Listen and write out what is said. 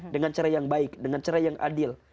dengan cara yang baik dengan cara yang adil